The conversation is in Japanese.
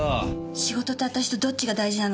仕事と私とどっちが大事なの？